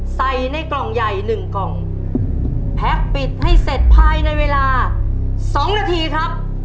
ใส่ในกล่องใหญ่หนึ่งกล่องแพ็คปิดให้เสร็จภายในเวลาสองนาทีครับ